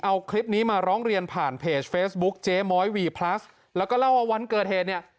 เอาคลิปนี้มาร้องเรียนผ่านเพจเฟซบุ๊คเจ๊ม้อยวีพลัสแล้วก็เล่าว่าวันเกิดเหตุเนี่ย